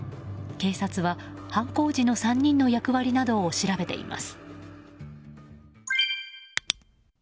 警察は、犯行時の３人の役割などを調べています。